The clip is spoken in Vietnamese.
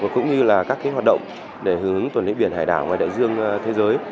cũng như các hoạt động để hướng hướng tuần lĩnh biển hải đảo và đại dương thế giới